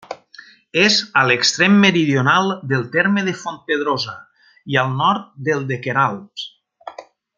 És a l'extrem meridional del terme de Fontpedrosa i al nord del de Queralbs.